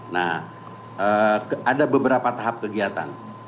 nah ada beberapa tahap kegiatan